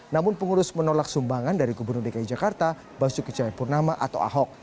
namun pengurus menolak sumbangan dari gubernur dki jakarta basuki cahayapurnama atau ahok